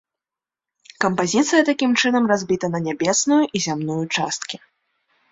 Кампазіцыя такім чынам разбіта на нябесную і зямную часткі.